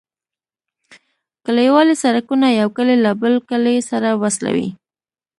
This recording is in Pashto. کليوالي سرکونه یو کلی له بل کلي سره وصلوي